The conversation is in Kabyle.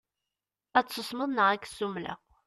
Ad tsusmeḍ neɣ ad k-ssumleɣ.